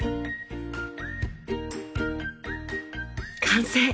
完成！